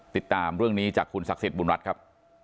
ติดตามเรื่องนี้จากคุณศักดิ์สิทธิบุญรัฐครับ